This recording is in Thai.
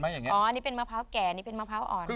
อ๋ออันนี้เป็นมะพร้าวแก่อันนี้เป็นมะพร้าวอ่อน